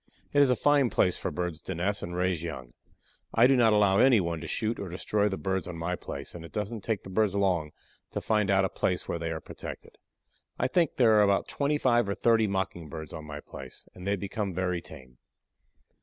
It is a fine place for birds to nest and raise young. I do not allow any one to shoot or destroy the birds on my place, and it doesn't take the birds long to find out a place where they are protected. I think there are about twenty five or thirty Mocking birds on my place, and they become very tame.